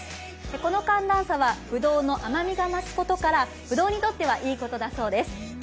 この寒暖差はぶどうの甘さが増すことからぶどうにとってはいいことだそうです。